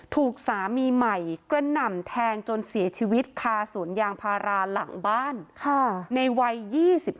ถูกสามีใหม่กระหน่ำแทงจนเสียชีวิตคาสวนยางพาราหลังบ้านในวัย๒๕